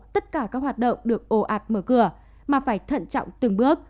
tất cả các hoạt động được ồ ạt mở cửa mà phải thận trọng từng bước